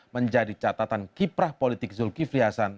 menjadi catatan kiprah politik zulkifli hasan